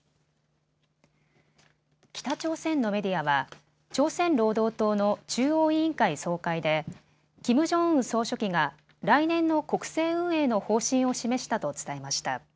北朝鮮のメディアは朝鮮労働党の中央委員会総会でキム・ジョンウン総書記が来年の国政運営の方針を示したと伝えました。